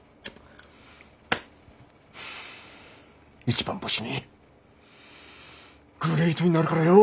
一番星にグレイトになるからよ。